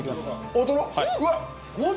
大トロ！